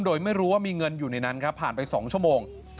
โดยไม่รู้ว่ามีเงินอยู่ในนั้นครับผ่านไป๒ชั่วโมง